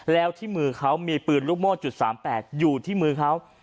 แล้วที่มือเขามีปืนลูกโม่จุด๓๘อยู่ที่มือเขา